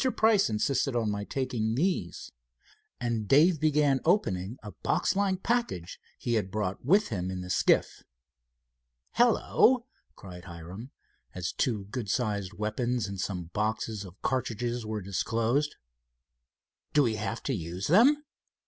Price insisted on my taking these," and Dave began opening a boxlike package he had brought with him in the skiff. "Hello," cried Hiram, as two good sized weapons and some boxes of cartridges were disclosed. "Do we have to use them?"